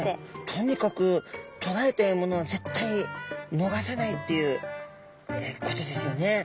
とにかくとらえた獲物は絶対逃さないっていうことですよね。